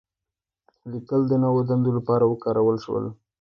لیکل د نوو دندو لپاره وکارول شول.